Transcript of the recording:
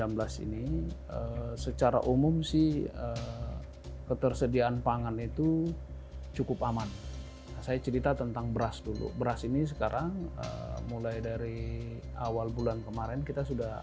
pemulasaraan jenazah korban covid sembilan belas